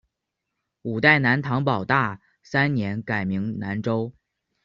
五代南唐保大三年改名南州。